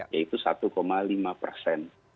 yaitu satu lima persen